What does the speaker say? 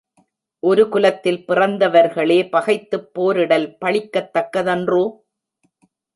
ஒரு குலத்தில் பிறந்தவர்களே பகைத்துப் போரிடல் பழிக்கத் தக்கதன்றோ?